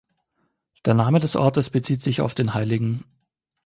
Der Name des Ortes bezieht sich auf den hl.